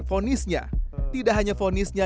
fonisnya tidak hanya fonisnya